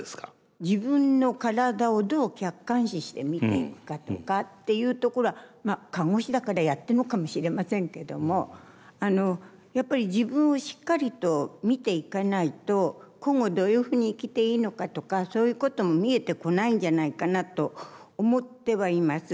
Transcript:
自分の体をどう客観視して見ていくかとかっていうところは看護師だからやってんのかもしれませんけどもやっぱり自分をしっかりと見ていかないと今後どういうふうに生きていいのかとかそういうことも見えてこないんじゃないかなと思ってはいます。